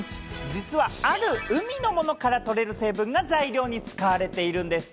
実はある海のものから取れる成分が材料に使われているんです。